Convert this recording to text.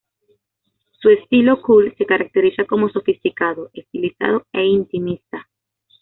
Su estilo cool se caracteriza como sofisticado, estilizado e intimista.